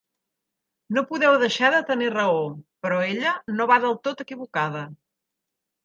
No podeu deixar de tenir raó; però ella no va del tot equivocada...